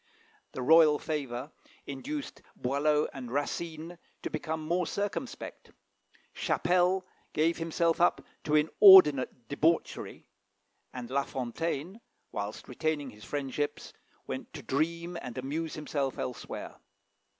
The royal favour induced Boileau and Racine to become more circumspect; Chapelle gave himself up to inordinate debauchery; and La Fontaine, whilst retaining his friendships, went to dream and amuse himself elsewhere.